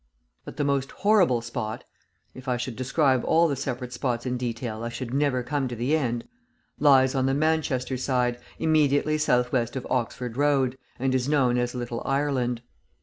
But the most horrible spot (if I should describe all the separate spots in detail I should never come to the end) lies on the Manchester side, immediately south west of Oxford Road, and is known as Little Ireland.